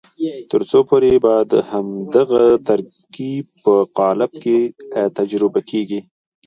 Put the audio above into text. تر څو پورې به د همدغه ترکیب په قالب کې تجربې کېږي.